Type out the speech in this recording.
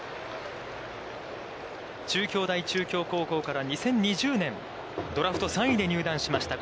中京大中京高校から２０２０年、ドラフト３位で入団しました。